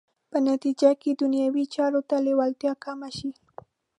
په نتیجه کې دنیوي چارو ته لېوالتیا کمه شي.